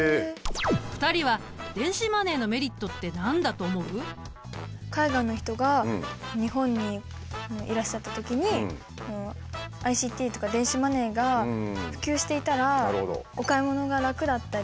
２人は海外の人が日本にいらっしゃった時にＩＣＴとか電子マネーが普及していたらお買い物がラクだったり。